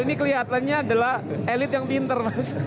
ini kelihatannya adalah elit yang pinter